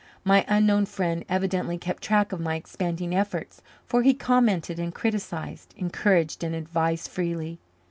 My unknown friend evidently kept track of my expanding efforts, for he commented and criticized, encouraged and advised freely.